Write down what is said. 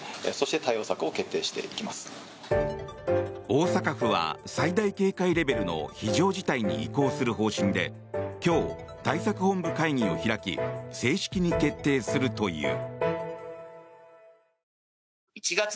大阪府は最大警戒レベルの非常事態に移行する方針で今日、対策本部会議を開き正式に決定するという。